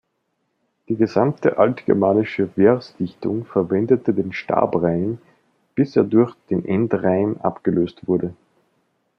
Die gesamte altgermanische Versdichtung verwendete den Stabreim, bis er durch den Endreim abgelöst wurde.